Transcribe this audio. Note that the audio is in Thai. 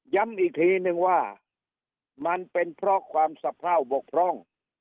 ย้ำอีกทีนึงว่ามันเป็นเพราะความสะพร่าวบกพร่อง